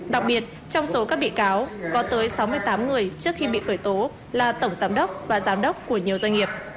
đặc biệt trong số các bị cáo có tới sáu mươi tám người trước khi bị khởi tố là tổng giám đốc và giám đốc của nhiều doanh nghiệp